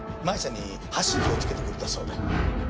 真衣さんに発信機をつけてくれたそうで。